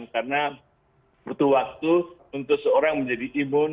karena butuh waktu untuk seorang menjadi imun